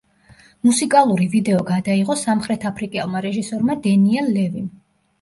მუსიკალური ვიდეო გადაიღო სამხრეთაფრიკელმა რეჟისორმა დენიელ ლევიმ.